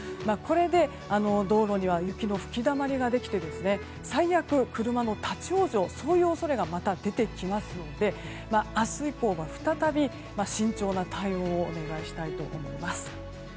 これで、道路には雪の吹きだまりができて最悪、車の立ち往生そういう恐れが出てきますので明日以降も再び慎重な対応をお願いしたいと思います。